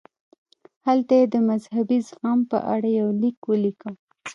هلته یې د مذهبي زغم په اړه یو لیک ولیکه.